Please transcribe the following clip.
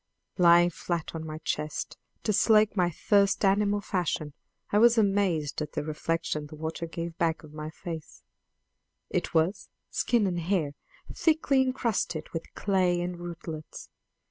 Lying flat on my chest to slake my thirst animal fashion, I was amazed at the reflection the water gave back of my face: it was, skin and hair, thickly encrusted with clay and rootlets!